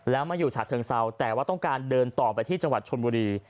แล้วมาอยู่ฉะเชิงเซาแต่ว่าต้องการเดินต่อไปที่จังหวัดชนบุรี